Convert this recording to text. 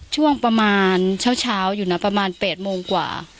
ช่วงประมาณเช้าอยู่นะประมาณ๘โมงกว่า